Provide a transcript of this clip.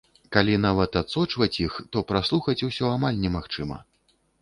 Калі, нават, адсочваць іх, то праслухаць усё амаль немагчыма.